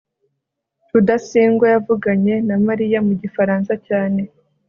rudasingwa yavuganye na mariya mu gifaransa cyane